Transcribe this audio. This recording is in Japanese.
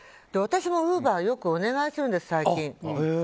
私もウーバーよくお願いするんです、最近。